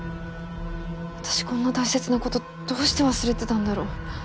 私こんな大切な事どうして忘れてたんだろう？